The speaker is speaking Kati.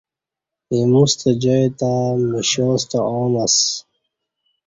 ایمو ستہ جائی تہ مشا ستہ عام اسہ